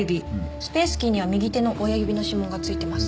スペースキーには右手の親指の指紋がついてます。